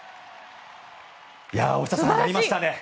大下さん、やりましたね。